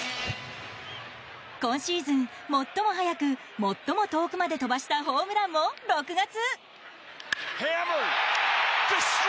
今シーズン最も速く最も遠くまで飛ばしたホームランも６月。